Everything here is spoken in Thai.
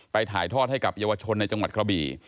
ถ่ายทอดให้กับเยาวชนในจังหวัดกระบี่